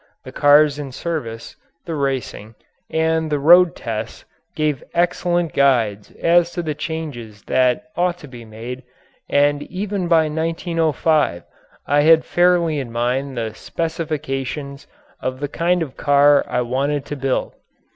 The cars in service, the racing, and the road tests gave excellent guides as to the changes that ought to be made, and even by 1905 I had fairly in mind the specifications of the kind of car I wanted to build.